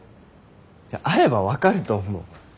会えば分かると思う。